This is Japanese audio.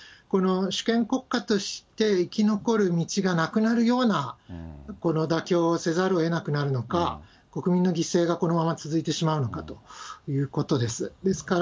この主権国家として生き残る道がなくなるような、この妥協をせざるをえなくなるのか、国民の犠牲がこのまま続いてしまうのかということです。